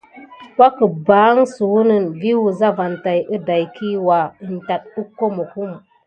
Wakəbohonsewounsa vi wuza van tay əday kiwa in tat əkamokum.